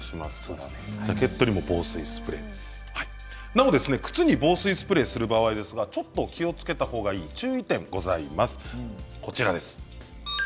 なお靴に防水スプレーをする場合ですがちょっと気をつけたほうがいい注意点ございます。